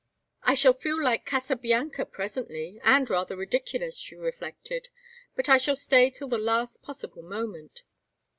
"I shall feel like Casabianca presently, and rather ridiculous," she reflected, "but I shall stay till the last possible moment."